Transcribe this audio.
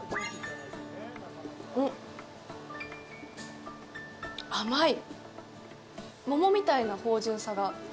うん、甘い。